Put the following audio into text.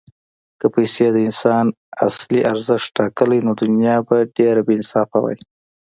که پیسې د انسان اصلي ارزښت ټاکلی، نو دنیا به ډېره بېانصافه وای.